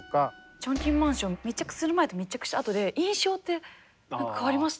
チョンキンマンション密着する前と密着した後で印象って変わりました？